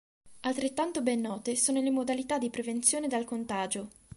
Altrettanto ben note sono le modalità di prevenzione dal contagio.